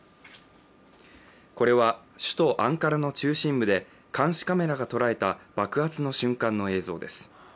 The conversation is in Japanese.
これは、首都アンカラの中心部で監視カメラが捉えた爆発の映像です。